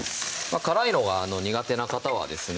辛いのが苦手な方はですね